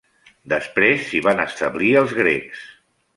Després s'hi van establir els grecs.